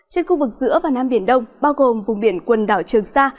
trên khu vực giữa và nam biển đông bao gồm vùng biển quần đảo trường sa